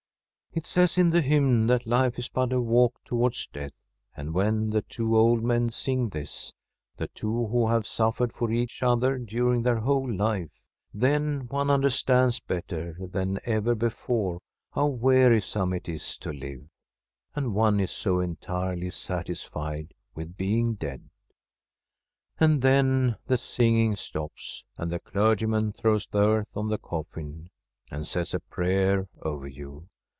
It says in the hymn that life is but a walk towards death, and when the two old men sing this — the two who have suffered for each other during their whole life — ^then one understands better than ever before how wearisome it is to live, and one is so entirely satisfied with being dead. And then the singing stops, and the clergyman throws earth on the coffin and says a prayer over you.